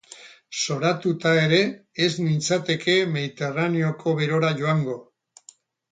Zoratuta ere, ez nintzateke mediterraneoko berora joango.